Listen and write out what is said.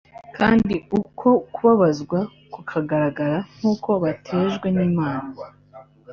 kandi uko kubabazwa kukagaragara nk’uko batejwe n’Imana